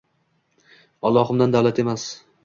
Allohimdan davlat emas